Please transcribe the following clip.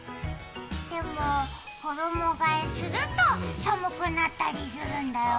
でも、衣がえすると寒くなったりするんだよな。